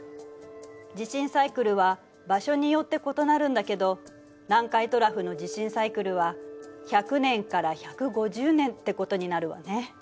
地震サイクルは場所によって異なるんだけど南海トラフの地震サイクルは１００年から１５０年ってことになるわね。